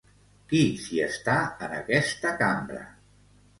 Qui s'hi està en aquesta cambra?